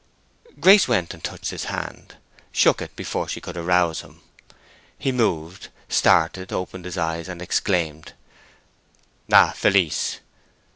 Grace went and touched his hand; shook it before she could arouse him. He moved, started, opened his eyes, and exclaimed, "Ah, Felice!...